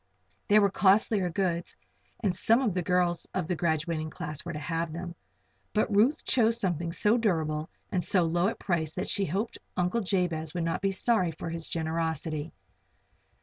There were costlier goods, and some of the girls of the graduating class were to have them; but Ruth chose something so durable and at so low a price that she hoped Uncle Jabez would not be sorry for his generosity.